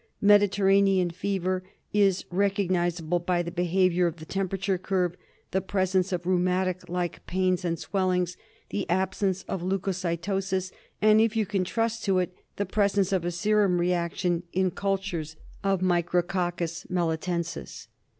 Mediterranean fever is re cognisable by the behaviour of the temperature curve, the presence of rheumatic like pains and swellings, the absence of leucocytosis and, if you can trust to it, the presence of a serum reaction in cultures of Micrococcus melitensis.